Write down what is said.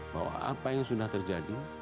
bahwa apa yang sudah terjadi